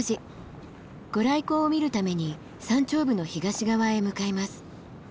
御来光を見るために山頂部の東側へ向かいます。